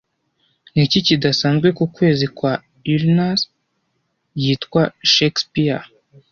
Niki kidasanzwe ku kwezi kwa Uranus Yitwa Shakespeare